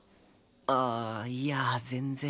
ああいや全然。